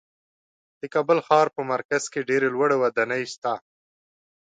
د کابل ښار په مرکز کې ډېرې لوړې ودانۍ شته.